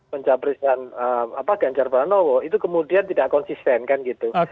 penjabrisan ganjarbanowo itu kemudian tidak konsisten kan gitu